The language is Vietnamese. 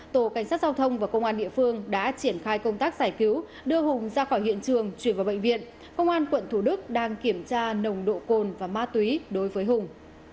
tổ cảnh sát giao thông và công an địa phương đã triển khai công tác giải cứu đưa hùng ra khỏi hiện trường chuyển vào bệnh viện công an quận thủ đức đang kiểm tra nồng độ cồn và ma túy đối với hùng